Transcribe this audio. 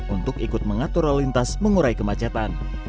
untuk ikut mengatur lalu lintas mengurai kemacetan